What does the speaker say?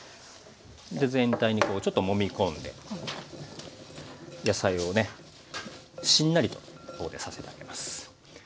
で全体にこうちょっともみ込んで野菜をねしんなりとここでさせてあげます。